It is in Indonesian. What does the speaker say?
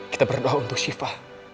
kita berdoa untuk shiva